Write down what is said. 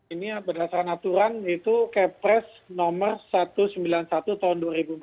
ini berdasarkan aturan itu kepres nomor satu ratus sembilan puluh satu tahun dua ribu empat belas